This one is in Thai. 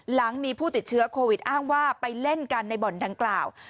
หลังมีผู้ติดเชื้อโควิดอ้างว่าไปเล่นกันในบ่อนดังกล่าว